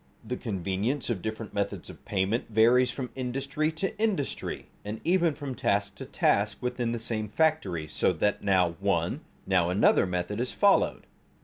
The convenience of the different methods of payment varies from industry to industry, and even from task to task within the same factory, so that now one, now another method is followed.